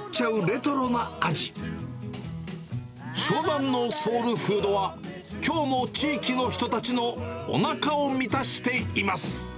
湘南のソウルフードは、きょうも地域の人たちのおなかを満たしています。